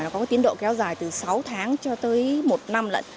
có tiến độ kéo dài từ sáu tháng cho tới một năm lận